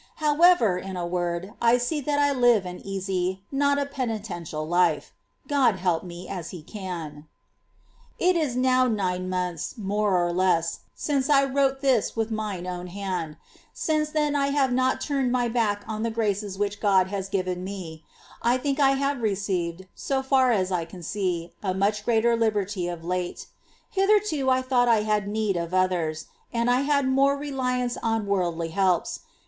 ^ However, in a word, I see that I live an easy, not a penitential, life ; God help me, as He can ! 7. It is now nine months, more or less, since I not toisted. wrotc this witli mine own hand ; since then I have not turned my back on the graces which God has given me ; I think I have received, so far as I can see, a much greater liberty of late. Hitherto I thought I had need of others, and I had more reliance on worldly helps.